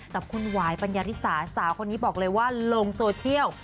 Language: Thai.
กับคุณหวายปัญญาริสาสาวคนนี้บอกเลยว่าลงโซเชียล